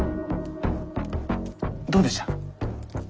どうでした？